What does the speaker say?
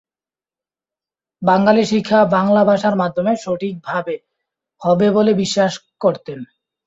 বাঙালির শিক্ষা বাংলা ভাষার মাধ্যমে সঠিকভাবে হবে বলে বিশ্বাস করতেন।